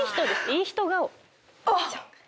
いい人顔。